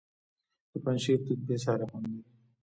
د پنجشیر توت بې ساري خوند لري.